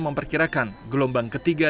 memperkirakan gelombang ketiga